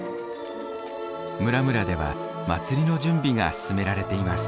村々では祭りの準備が進められています。